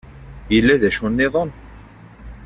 Yella d acu-nniḍen?